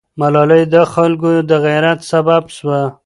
ملالۍ د خلکو د غیرت سبب سوه.